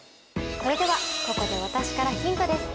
それではここで私からヒントです